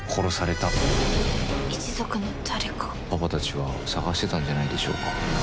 「パパたちはさがしてたんじゃないでしょうか」